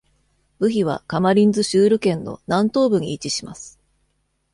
ブヒはカマリンズ・シュール県の南東部に位置します。